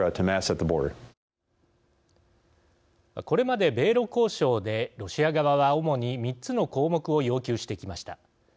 これまで米ロ交渉でロシア側は主に３つの項目を要求してきました。